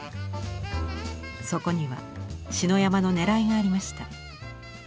そこには篠山のねらいがありました。